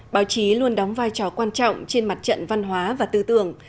báo chí luôn đóng vai trò quan trọng trên mặt trận văn hóa và tư tưởng